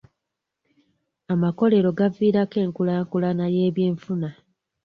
Amakolero gaviirako enkulaakulana y'ebyenfuna.